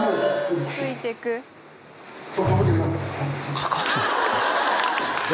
かかるよ。